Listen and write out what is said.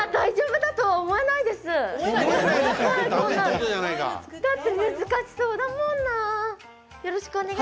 だって難しそうだもんな。